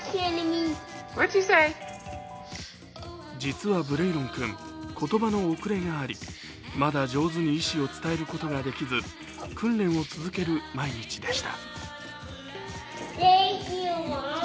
実はブレイロン君言葉の遅れがあり、まだ上手に意思を伝えることができず訓練を続ける毎日でした。